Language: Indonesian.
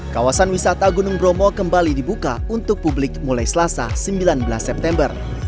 kawasan wisata gunung bromo kembali dibuka untuk publik mulai selasa sembilan belas september